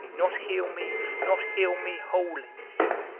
not heal me? not heal me wholly?